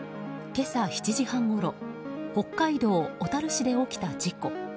今朝７時半ごろ北海道小樽市で起きた事故。